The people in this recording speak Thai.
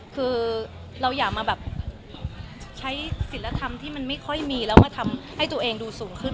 คือเราอยากมาแบบใช้ศิลธรรมที่มันไม่ค่อยมีแล้วมาทำให้ตัวเองดูสูงขึ้น